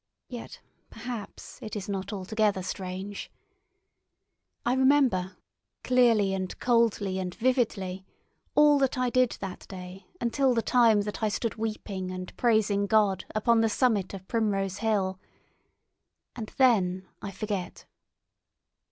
Yet, perhaps, it is not altogether strange. I remember, clearly and coldly and vividly, all that I did that day until the time that I stood weeping and praising God upon the summit of Primrose Hill. And then I forget.